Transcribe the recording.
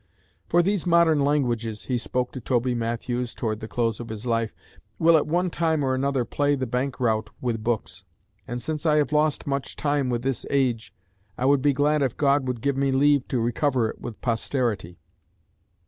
"For these modern languages," he wrote to Toby Matthews towards the close of his life, "will at one time or another play the bank rowte with books, and since I have lost much time with this age, I would be glad if God would give me leave to recover it with posterity."